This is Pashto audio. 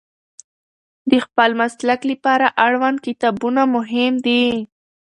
د خپل مسلک لپاره اړوند کتابونه مهم دي.